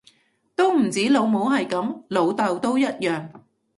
都唔止老母係噉，老竇都一樣